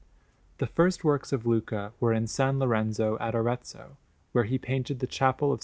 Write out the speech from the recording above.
The first works of Luca were in S. Lorenzo at Arezzo, where he painted the Chapel of S.